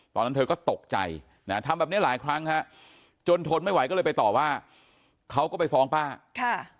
ตอนนั้นเธอก็ตกใจนะทำแบบนี้หลายครั้งฮะจนทนไม่ไหวก็เลยไปต่อว่าเขาก็ไปฟ้องป้าค่ะ